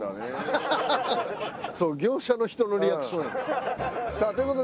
そう業者の人のリアクションやねん。